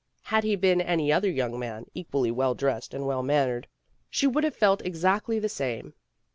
Had he been any other young man, equally well dressed and well mannered, she would have felt exactly the same.